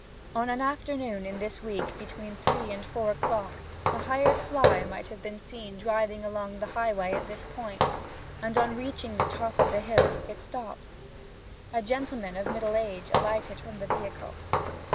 On an afternoon in this week between three and four o'clock a hired fly might have been seen driving along the highway at this point, and on reaching the top of the hill it stopped. A gentleman of middle age alighted from the vehicle.